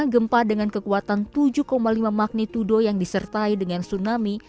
gempa dengan kekuatan tujuh lima magnitudo yang disertai dengan tsunami